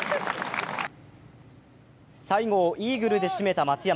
最後をイーグルで締めた松山。